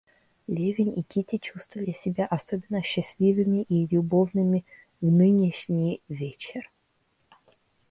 Левин и Кити чувствовали себя особенно счастливыми и любовными в нынешний вечер.